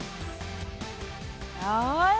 よし！